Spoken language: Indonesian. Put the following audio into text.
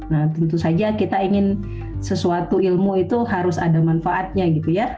nah tentu saja kita ingin sesuatu ilmu itu harus ada manfaatnya gitu ya